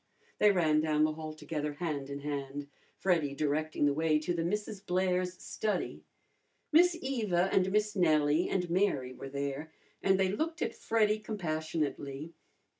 They ran down the hall together hand in hand, Freddy directing the way to the Misses Blair's study. Miss Eva and Miss Nellie and Mary were there, and they looked at Freddy compassionately.